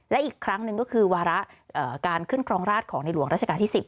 และอีกครั้งหนึ่งก็คือวาระการขึ้นครองราชของในหลวงราชการที่๑๐